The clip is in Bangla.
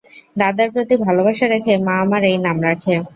দাদার প্রতি ভালোবাসা রেখে মা আমার এই নাম রাখে।